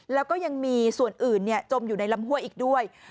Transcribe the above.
แล้วก็ยังมีส่วนอื่นจมอยู่ในลำห้วยอีกด้วย